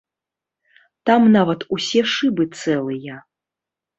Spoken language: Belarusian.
Там нават усе шыбы цэлыя.